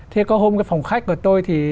thế có hôm cái phòng khách của tôi thì